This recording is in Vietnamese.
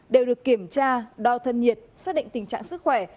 đều được kiểm tra đo thân nhiệt xác định tình trạng sức khỏe